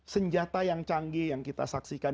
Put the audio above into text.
senjata yang canggih yang kita saksikan